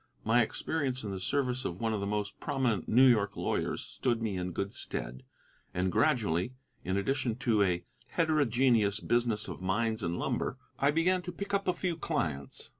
My experience in the service of one of the most prominent of New York lawyers stood me in good stead, and gradually, in addition to a heterogeneous business of mines and lumber, I began to pick up a few clients.